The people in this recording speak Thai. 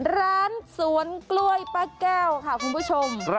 ร้านสวนกล้วยป้าแก้วค่ะคุณผู้ชม